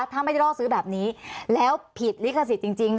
ถ้าไม่ได้ล่อซื้อแบบนี้แล้วผิดลิขสิทธิ์จริง